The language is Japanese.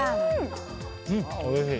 おいしい。